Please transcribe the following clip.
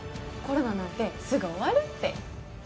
コロナなんてすぐ終わるって。